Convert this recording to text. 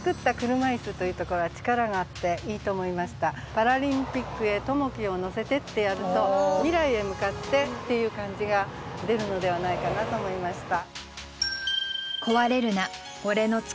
「パラリンピックへ朋樹を乗せて」ってやると未来へ向かってっていう感じが出るのではないかなと思いました。